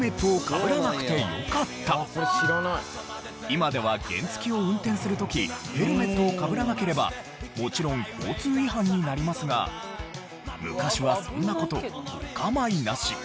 今では原付を運転する時ヘルメットをかぶらなければもちろん交通違反になりますが昔はそんな事お構いなし。